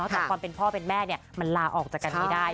แต่ความเป็นพ่อเป็นแม่เนี่ยมันลาออกจากนี้ได้